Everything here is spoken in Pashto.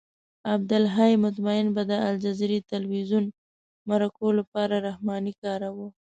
عبدالحی مطمئن به د الجزیرې تلویزیون مرکو لپاره رحماني کاراوه.